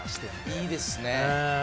いいですね。